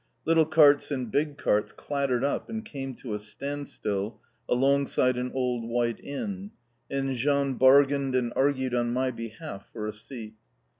Little carts and big carts clattered up and came to a standstill alongside an old white inn, and Jean bargained and argued on my behalf for a seat.